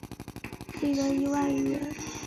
一人一万日元